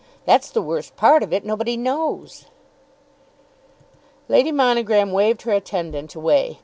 That's the worst part of it. Nobody knows." Lady Monogram waved her attendant away.